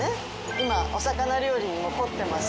今お魚料理にも凝ってます。